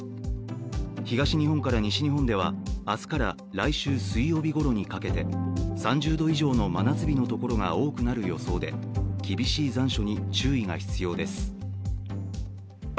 東日本から西日本では、明日から来週水曜日ごろにかけて３０度以上の真夏日のところが多くなる予想で、厳しい残暑に注意が必要です。